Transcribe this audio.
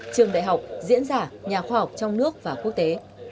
trường đại học diễn giả nhà khoa học trong nước và quốc tế